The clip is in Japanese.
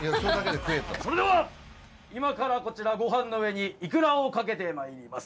それでは今からこちらごはんの上にいくらをかけてまいります。